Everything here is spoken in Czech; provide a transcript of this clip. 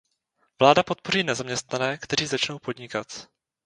Vláda podpoří nezaměstnané, kteří začnou podnikat.